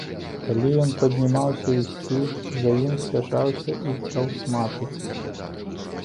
Калі ён паднімаўся ісці, за ім спяшаўся і таўсматы.